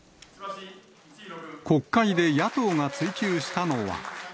国会で野党が追及したのは。